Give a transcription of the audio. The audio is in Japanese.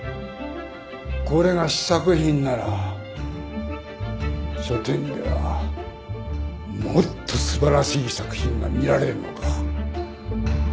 これが試作品なら書展ではもっと素晴らしい作品が見られるのか。